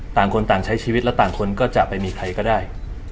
ต่างคนต่างใช้ชีวิตและต่างคนก็จะไปมีใครก็ได้